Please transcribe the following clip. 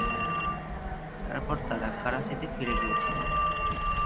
তারপর তাঁরা করাচিতে ফিরে গিয়েছিলেন।